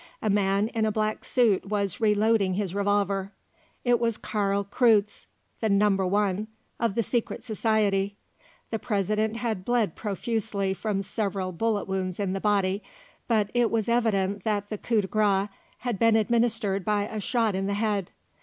A man in a black suit was reloading his revolver; it was Karl Kreutze, the Number One of the Secret Society. The President had bled profusely from several bullet wounds in the body, but it was evident that the coup de grâce had been administered by a shot in the head.